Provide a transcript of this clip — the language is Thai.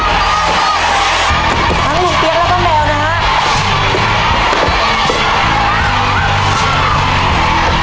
ทั้งลุงเปี๊ยกแล้วก็แมวนะครับ